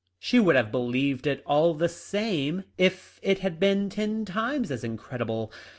"She would have believed it all the same if it had been ten times as incredible.